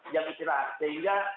jam istirahat sehingga